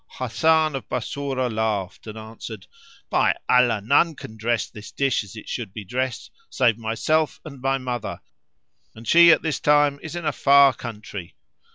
Hasan of Bassorah laughed and answered, "By Allah, none can dress this dish as it should be dressed save myself and my mother, and she at this time is in a far country."